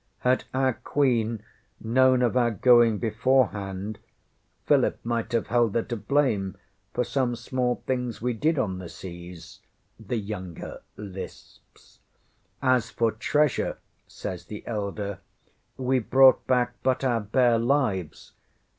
ŌĆØ ŌĆśŌĆ£Had our Queen known of our going beforehand, Philip might have held her to blame for some small things we did on the seas, ŌĆØ the younger lisps. ŌĆśŌĆ£As for treasure, ŌĆØ says the elder, ŌĆ£we brought back but our bare lives.